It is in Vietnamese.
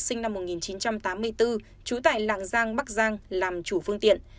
sinh năm một nghìn chín trăm tám mươi bốn trú tại lạng giang bắc giang làm chủ phương tiện